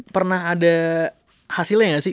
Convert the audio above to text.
pernah ada hasilnya nggak sih